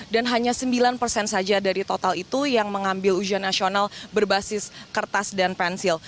dan hanya sembilan persen saja dari total itu yang mengambil ujian nasional berbasis kertas dan pensil